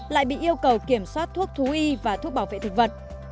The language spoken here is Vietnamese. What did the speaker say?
lại bị yêu cầu kiểm soát thuốc thú y và thuốc bảo vệ thực vật